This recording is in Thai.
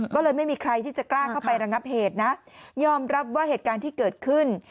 ก็เลยไม่มีใครที่จะกล้าเข้าไประงับเหตุนะยอมรับว่าเหตุการณ์ที่เกิดขึ้น